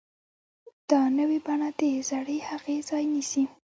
دا نوې بڼه د زړې هغې ځای نیسي.